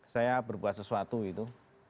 saya berbuat sesuatu